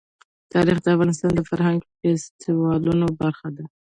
تاریخ د افغانستان د فرهنګي فستیوالونو برخه ده.